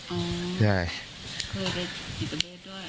เคยไปกิจเวทด้วย